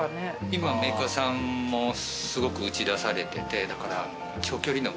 今メーカーさんもすごく打ち出されててだから。